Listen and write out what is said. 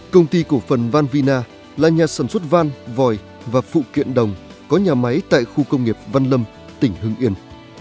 công ty cổ phần van vina là nhà sản xuất van vòi và phụ kiện đồng có nhà máy tại khu công nghiệp văn lâm tỉnh hưng yên